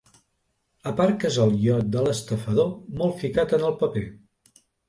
Aparques el iot de l'estafador molt ficat en el paper.